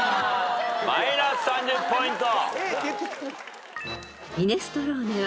マイナス３０ポイント。